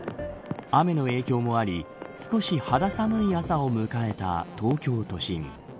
雨の影響もあり少し肌寒い朝を迎えた東京都心。